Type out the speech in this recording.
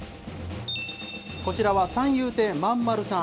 こちらは三遊亭萬丸さん。